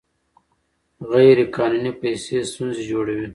غیر قانوني پیسې ستونزې جوړوي.